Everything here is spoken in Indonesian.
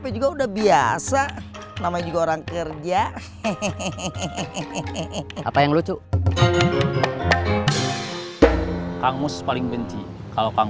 juga udah biasa namanya juga orang kerja hehehe apa yang lucu kangus paling benci kalau kang